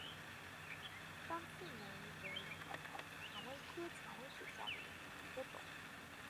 山刺玫为蔷薇科蔷薇属下的一个种。